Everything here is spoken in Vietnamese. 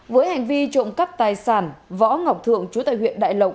với hành vi trộm cắp tài sản võ ngọc thượng chú tại huyện đại lộc